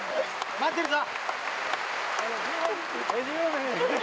待ってるぞ！